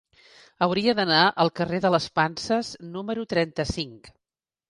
Hauria d'anar al carrer de les Panses número trenta-cinc.